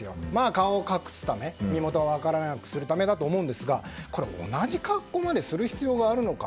顔を隠すため身元を分からなくするためだと思いますが同じ格好までする必要があるのか